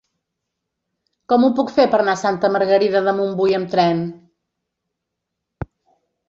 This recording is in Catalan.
Com ho puc fer per anar a Santa Margarida de Montbui amb tren?